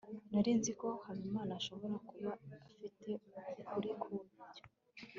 nari nzi ko habimana ashobora kuba afite ukuri kubyo